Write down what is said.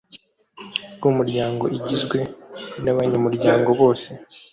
rwumuryango Igizwe nabanyamuryango bose